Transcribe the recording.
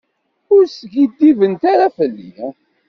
Ur skiddibemt ara fell-i.